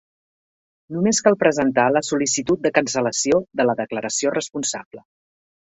Només cal presentar la sol·licitud de cancel·lació de la declaració responsable.